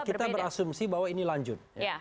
kita berasumsi bahwa ini lanjut